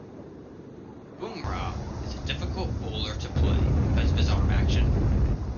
Bumrah is a difficult bowler to play because of his arm action.